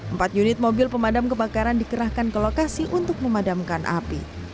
empat unit mobil pemadam kebakaran dikerahkan ke lokasi untuk memadamkan api